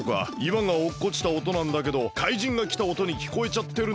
わがおっこちたおとなんだけど怪人がきたおとにきこえちゃってるのかもしれない。